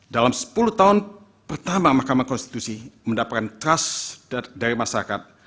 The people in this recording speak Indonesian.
dalam sepuluh tahun pertama mahkamah konstitusi mendapatkan trust dari masyarakat